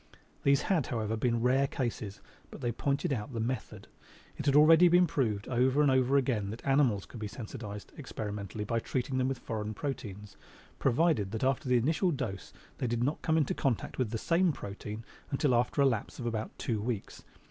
These had, however, been rare cases, but they pointed out the method. It had already been proved over and over again that animals could be sensitized experimentally by treating them with foreign proteins, provided that after the initial dose they did not come into contact with the same protein until after a lapse of about two weeks.